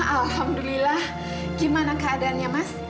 alhamdulillah gimana keadaannya mas